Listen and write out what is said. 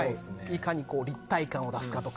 いかに立体感を出すかとか。